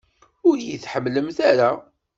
Ur iyi-tḥemmlemt ara?